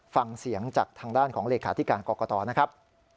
ฟังเสียงจากทางด้านของเลขาธิการกรกตนะครับ